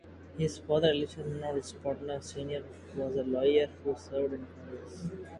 His father Elisha Reynolds Potter, Senior was a lawyer who served in Congress.